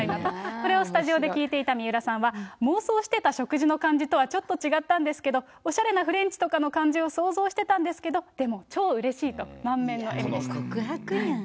これをスタジオで聞いていた水卜さんは、妄想してた食事の感じとはちょっと違ったんですけど、おしゃれなフレンチとかの感じを想像してたんですけど、でも、超うれしいと、告白やん。